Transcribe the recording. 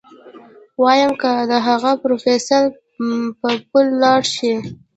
ويم که اغه د پروفيسر په پل لاړ شي.